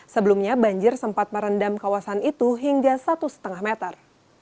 sebelumnya banjir sempat merendam kawasan itu hingga satu lima meter